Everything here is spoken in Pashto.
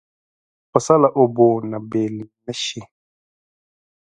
پسه له اوبو نه بېل نه شي.